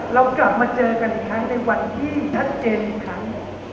เรากลับมาเจอกันอีกครั้งในวันที่ชัดเจนอีกครั้ง